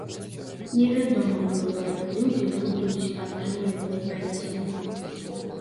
Невядома было, як людзі будуць атрымліваць пенсію.